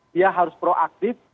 dia harus proaktif